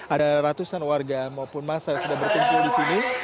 ada ratusan warga maupun masa yang sudah berkumpul di sini